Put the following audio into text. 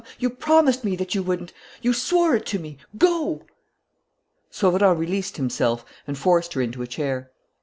You promised me that you wouldn't. You swore it to me. Go!" Sauverand released himself and forced her into a chair.